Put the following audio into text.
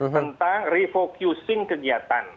tentang refocusing kegiatan